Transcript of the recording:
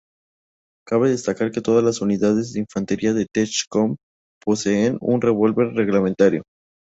Cabe destacar que todas las unidades de infantería de Tech-Com poseen un revólver reglamentario.